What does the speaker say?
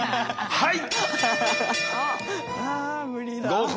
はい。